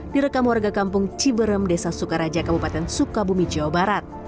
direkam warga kampung ciberem desa sukaraja kabupaten sukabumi jawa barat